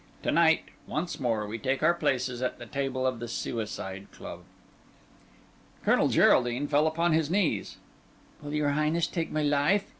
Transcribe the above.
To night, once more, we take our places at the table of the Suicide Club." Colonel Geraldine fell upon his knees. "Will your Highness take my life?"